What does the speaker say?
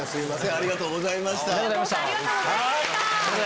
ありがとうございます。